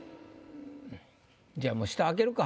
うんじゃあもう下開けるか。